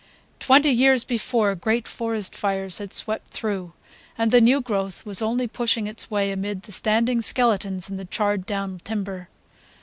Twenty years before great forest fires had swept through, and the new growth was only pushing its way amid the standing skeletons and the charred down timber.